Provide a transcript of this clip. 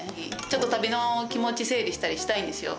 ちょっと旅の気持ち整理したりしたいんですよ